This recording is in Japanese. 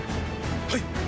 はい！